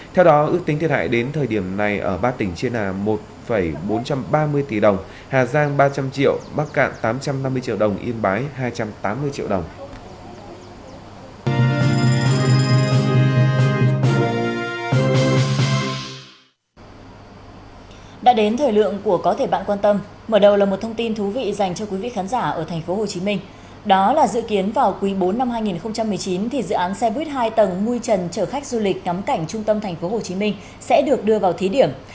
theo đó ước tính thiệt hại đến thời điểm này ở ba tỉnh trên là một bốn trăm ba mươi tỷ đồng hà giang ba trăm linh triệu bắc cạn tám trăm năm mươi triệu đồng yên bái hai trăm tám mươi triệu đồng